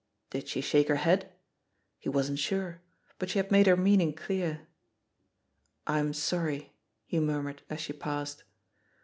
Did she shake her head? he wasn't sure; but she had made her meaning clear. "I'm sorry," he mur mured as she passed.